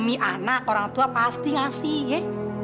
demi anak orang tua pasti ngasih ye